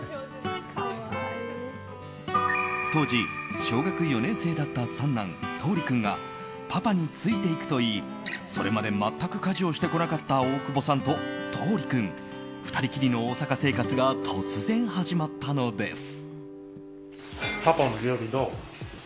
当時、小学４年生だった三男・橙利君がパパについていくと言いそれまで全く家事をしてこなかった大久保さんと橙利君２人きりの大阪生活が突然、始まったのです。